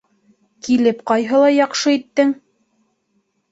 Килеп ҡайһылай яҡшы иттең!